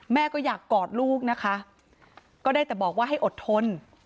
แม่ก็อยากกอดลูกนะคะก็ได้แต่บอกว่าให้อดทน